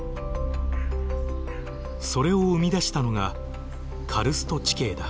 それを生み出したのがカルスト地形だ。